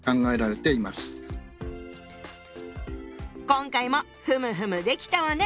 今回もふむふむできたわね！